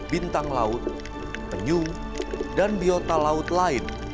bintang laut penyu dan biota laut lain